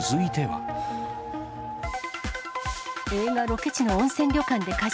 映画ロケ地の温泉旅館で火事。